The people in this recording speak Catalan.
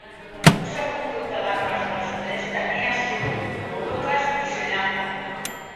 Un segon grup de bàrbars del sud-est tenia Sulu, Moluques, i Sri Lanka.